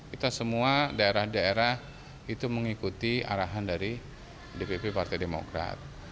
kita semua daerah daerah itu mengikuti arahan dari dpp partai demokrat